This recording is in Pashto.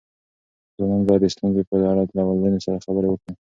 ځوانان باید د ستونزو په اړه له والدینو سره خبرې وکړي.